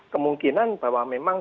kemungkinan bahwa memang